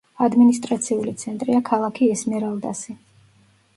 ადმინისტრაციული ცენტრია ქალაქი ესმერალდასი.